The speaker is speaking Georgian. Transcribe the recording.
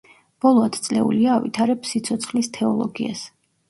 ბოლო ათწლეულია ავითარებს „სიცოცხლის თეოლოგიას“.